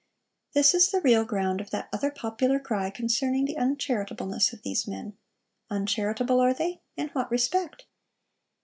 This is the real ground of that other popular cry concerning 'the uncharitableness of these men.' Uncharitable, are they? In what respect?